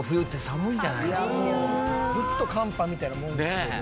ずっと寒波みたいなもんですよね。